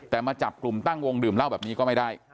แต่มาจับกลุ่มตั้งวงดื่มเหล้าแบบนี้ก็ไม่ได้